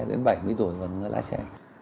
đến bảy mươi tuổi vẫn lái xe